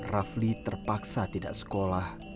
rafli terpaksa tidak sekolah